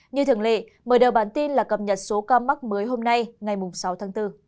như thường lệ mở đầu bản tin là cập nhật số ca mắc mới hôm nay ngày sáu tháng bốn